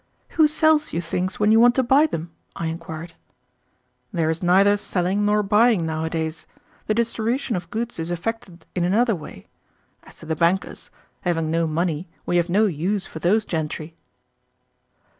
"Who sells you things when you want to buy them?" I inquired. "There is neither selling nor buying nowadays; the distribution of goods is effected in another way. As to the bankers, having no money we have no use for those gentry."